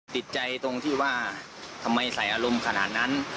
ติดใจตรงที่ว่าทำไมใส่อารมณ์ขนาดนั้น